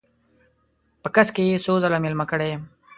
په کڅ کې یې څو ځله میلمه کړی یم.